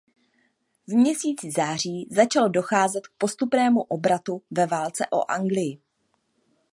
V měsíci září začalo docházet k postupnému obratu ve válce o Anglii.